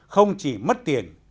không chỉ mất tiền